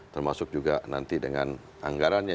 termasuk juga nanti dengan anggarannya